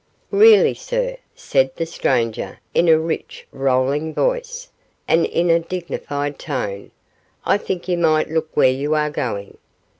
'Really, sir,' said the stranger, in a rich, rolling voice, and in a dignified tone, 'I think you might look where you are going.